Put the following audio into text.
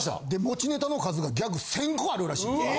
持ちネタの数がギャグ１０００個あるらしいです。